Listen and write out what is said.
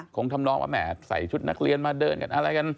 ทำนองว่าแหมใส่ชุดนักเรียนมาเดินกันอะไรกัน